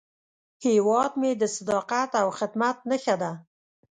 هیواد مې د صداقت او خدمت نښه ده